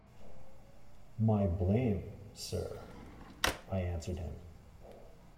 “My blame, sir,” I answered him.